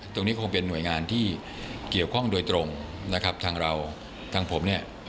ตรงนี้คงเป็นหน่วยงานที่เกี่ยวข้องโดยตรงทางเราทางผม